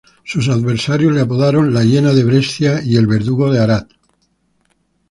Sus adversarios le apodaron la "Hiena de Brescia" y "El Verdugo de Arad.